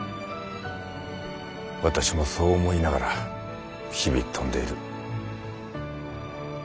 私もそう思いながら日々飛んでいる。